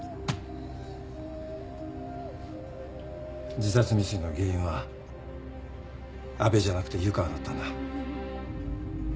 自殺未遂の原因は阿部じゃなくて湯川だったんだ。